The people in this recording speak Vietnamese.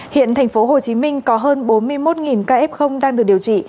hiện thành phố hồ chí minh có hơn bốn mươi một kf đang được điều trị